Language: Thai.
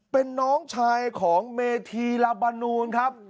เป็นน้องชายของเมธีลาบานูนครับ